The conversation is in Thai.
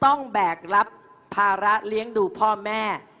แบกรับภาระเลี้ยงดูพ่อแม่